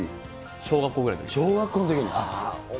小学校ぐらいのときに。